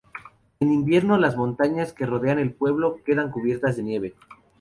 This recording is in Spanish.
En invierno, las montañas que rodean el pueblo quedan cubiertas de nieve.